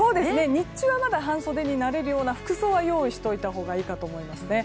日中はまだ半袖になれる服装は用意しておいたほうがいいと思いますね。